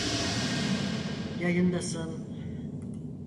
Yayındasın.